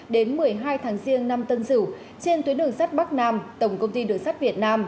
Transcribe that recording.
đến một mươi hai tháng riêng năm tân sửu trên tuyến đường sắt bắc nam tổng công ty đường sắt việt nam